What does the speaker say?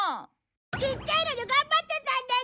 ちっちゃいので頑張ってたんだぞ！